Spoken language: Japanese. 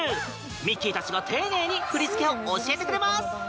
ミッキーたちが、丁寧に振り付けを教えてくれます。